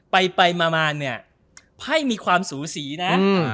ไปไปมามาพ่ายมีความสูสีนะ